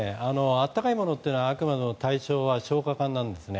温かいものというのはあくまでも対象は消化管なんですね。